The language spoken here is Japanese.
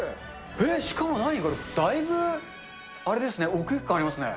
しかも何これ、だいぶあれですね、奥行き感ありますね。